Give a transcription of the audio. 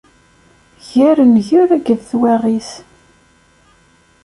Gar nnger akked twaɣit.